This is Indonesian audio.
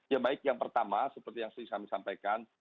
yang baik yang pertama seperti yang sudah kami sampaikan